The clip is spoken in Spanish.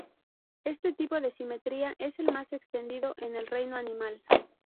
Este tipo de simetría es el más extendido en el reino animal.